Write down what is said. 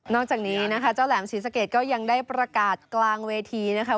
จากนี้นะคะเจ้าแหลมศรีสะเกดก็ยังได้ประกาศกลางเวทีนะคะ